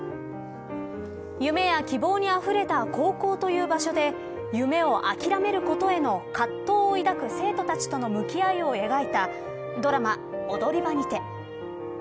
夢や希望にあふれた高校という場所で夢を諦めたことへの葛藤を抱く生徒たちと向き合いを描いたドラマ、踊り場にて。